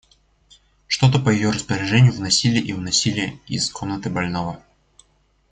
Что-то по ее распоряжению вносили и уносили из комнаты больного.